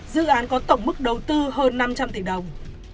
dự án có tổng mức đầu tư hơn năm trăm linh tỷ đồng